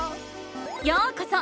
ようこそ！